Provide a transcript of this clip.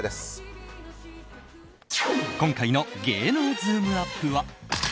今回の芸能ズームＵＰ！は。